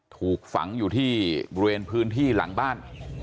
ถูกฝังอยู่ที่บริเวณพื้นที่หลังบ้าน